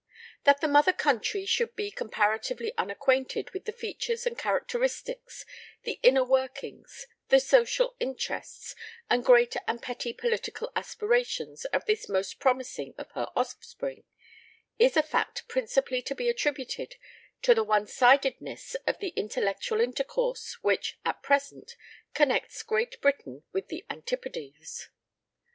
That the mother country should be comparatively un acquainted with the features and characteristics, the inner workings, the social interests, and great and petty political asj^irations of this most promising of her offspring, is a fact principally to be attributed to the onesidedness of the in tellectual intercourse which at present connects Great Britain with the Antipodes.